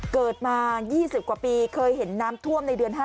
เกิดมา๒๐กว่าปีเคยเห็นน้ำท่วมในเดือน๕